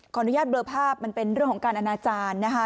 อนุญาตเบลอภาพมันเป็นเรื่องของการอนาจารย์นะคะ